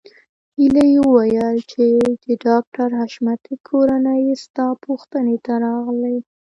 هيلې وویل چې د ډاکټر حشمتي کورنۍ ستا پوښتنې ته راغلې